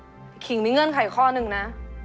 แต่คิงมีเงื่อนไห่ข้อนึงนะ